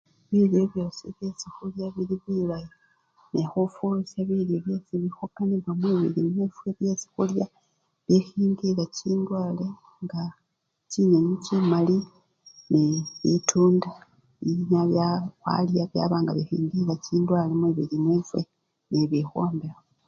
Bilyo byosi byesi khulichanga bili bilayi nekhufurisya bilyo byesi khukanibwa mwibili kyefwe, bilyo byesi khulya bikhingilila chindwale nga chinyenyi chimali nebitunda binyala bya! khwalaya nga bikhingilila chindwale mumibili kyefwe nebikhwombekha.